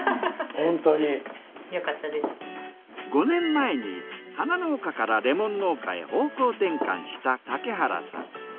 ５年前に花農家からレモン農家へ方向転換した竹原さん。